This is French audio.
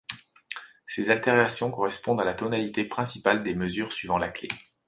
Ces altérations correspondent à la tonalité principale des mesures suivant la clé.